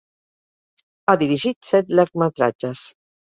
Ha dirigit set llargmetratges.